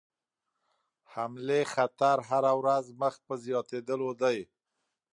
حملې خطر هره ورځ مخ پر زیاتېدلو دی.